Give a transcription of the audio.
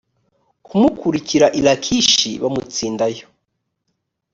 kumukurikira i lakishi bamutsindayo